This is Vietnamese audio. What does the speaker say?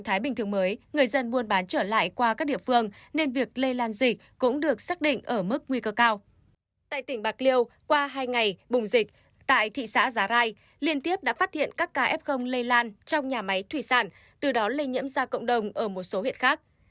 tại tỉnh bạc liêu qua hai ngày bùng dịch tại thị xã giá rai liên tiếp đã phát hiện các ca f lây lan trong nhà máy thủy sản từ đó lây nhiễm ra cộng đồng ở một số huyện khác